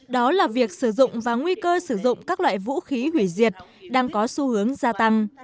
đó là việc sử dụng và nguy cơ sử dụng các loại vũ khí hủy diệt đang có xu hướng gia tăng